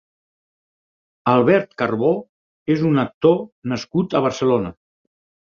Albert Carbó és un actor nascut a Barcelona.